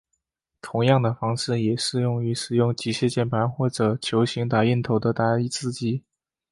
同样的方式也适用于使用机械键盘或者球形打印头的打字机。